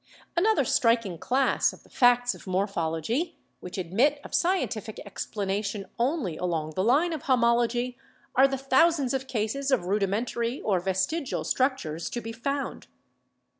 Another striking class of the facts of morphology which admit of scientific explanation only along the line of homology are the thousands of cases of rudimentary or vestigial structures to be found.